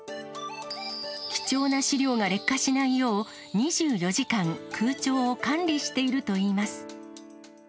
貴重な資料が劣化しないよう、２４時間、空調を管理しているといいます。